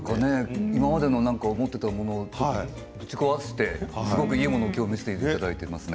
今まで思っていたものをぶち壊して今日はいいもの見せていただいていますね。